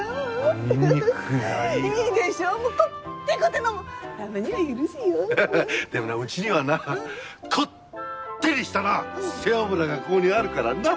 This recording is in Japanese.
でもなうちにはなコッテリしたな背脂がここにあるからな。